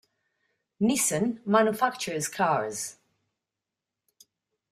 Nissan manufactures cars.